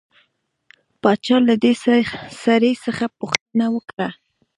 باچا له دې سړي څخه پوښتنه وکړه.